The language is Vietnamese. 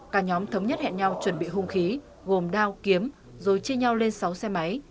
cả nhóm thống nhất hẹn nhau chuẩn bị hung khí gồm đao kiếm rồi chia nhau lên sáu xe máy